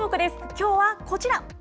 きょうはこちら。